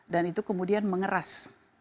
dan itu kemudian mengeras